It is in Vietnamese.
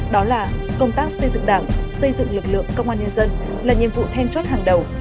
đó là công tác xây dựng đảng xây dựng lực lượng công an nhân dân là nhiệm vụ then chốt hàng đầu